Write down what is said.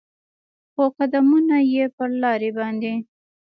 خو قدمونو یې پر لارې باندې